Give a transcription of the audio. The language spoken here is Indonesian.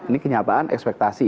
ini kenyataan ekspektasi